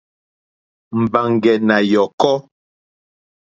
Mbàŋɡɛ̀ nà yɔ̀kɔ́.